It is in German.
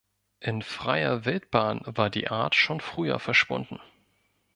In freier Wildbahn war die Art schon früher verschwunden.